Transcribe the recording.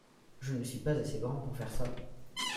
je ne suis pas assez grand pour faire ça.